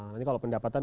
nanti kalau pendapatan